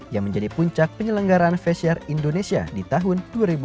yang menjadi puncak penyelenggaraan fesyar indonesia di tahun dua ribu sembilan belas